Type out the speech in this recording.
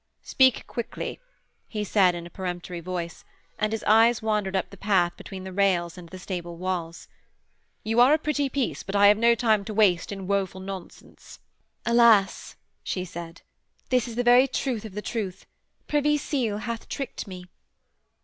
'Speak quickly,' he said in a peremptory voice, and his eyes wandered up the path between the rails and the stable walls. 'You are a pretty piece, but I have no time to waste in woeful nonsense.' 'Alas,' she said, 'this is the very truth of the truth. Privy Seal hath tricked me.'